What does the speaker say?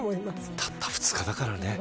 たった２日だからね。